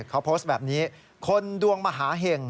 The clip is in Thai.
เขาโพสต์แบบนี้คนดวงมหาเห็ง